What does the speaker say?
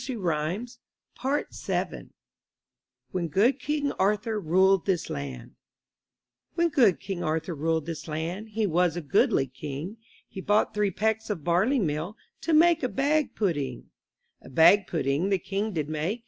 43 MY BOOK HOUSE WHEN GOOD KING ARTHUR RULED THIS LAND HEN good King Arthur ruled this land, He was a goodly king; He bought three pecks of barley meal, To make a bag pudding. A bag pudding the king did make.